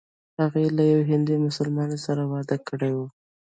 هغې له یوه هندي مسلمان سره واده کړی و.